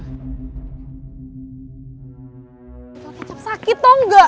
kecap sakit tau gak